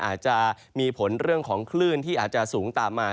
อาจจะมีผลเรื่องของคลื่นที่อาจจะสูงตามมา